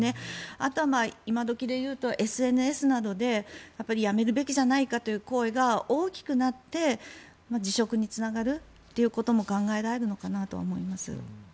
あとは今どきで言うとＳＮＳなどで辞めるべきじゃないかという声が大きくなって辞職につながるということも考えられるのかなと思います。